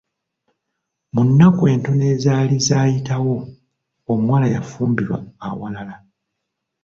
Mu nnaku ntono ezaali zakayitawo, omuwala yafumbirwa awalala.